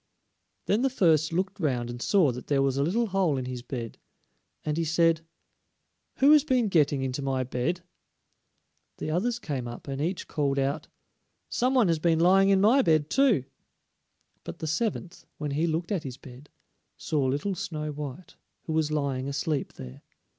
Then the first looked round and saw that there was a little hole in his bed, and he said: "Who has been getting into my bed?" The others came up and each called out: "Somebody has been lying in my bed too." But the seventh, when he looked at his bed, saw little Snow white, who was lying asleep there.